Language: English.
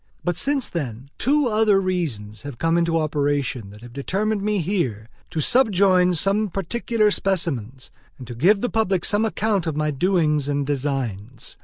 But since then, two other reasons have come into operation that have determined me here to subjoin some particular specimens, and give the public some account of my doings and designs.